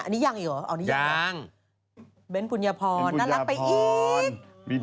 อันนี้ยังอีกเหรออ๋อนี่ยังยังเบนภูนยภรณ์น่ารักไปอีก